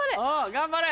頑張れ。